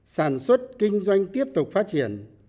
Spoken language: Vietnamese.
sản xuất kinh doanh tiếp tục phát triển